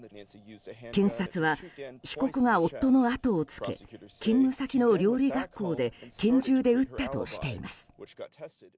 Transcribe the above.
検察は、被告が夫の後をつけ勤務先の料理学校で拳銃で撃ったとしています。